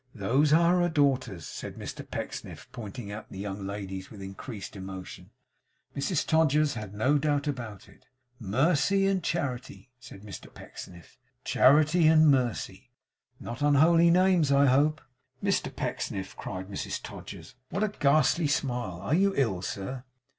'Those are her daughters,' said Mr Pecksniff, pointing out the young ladies, with increased emotion. Mrs Todgers had no doubt about it. 'Mercy and Charity,' said Mr Pecksniff, 'Charity and Mercy. Not unholy names, I hope?' 'Mr Pecksniff!' cried Mrs Todgers. 'What a ghastly smile! Are you ill, sir?